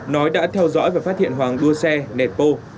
nói đã theo dõi và phát hiện hoàng đua xe nẹt bô